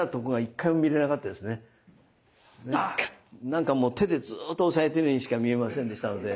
何かもう手でずっと押さえているようにしか見えませんでしたので。